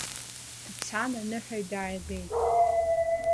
Дцан аныҳәаҩ дааигеит.